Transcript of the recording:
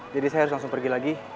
jadi saya harus langsung pergi lagi